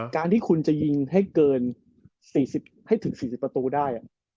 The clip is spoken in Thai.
การที่คุณจะยิงให้เกิน๔๐ประตูได้